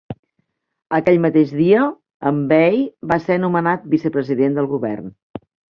Aquell mateix dia, M'ba va ser nomenat vicepresident del govern.